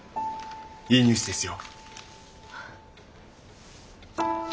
いいニュースですよ。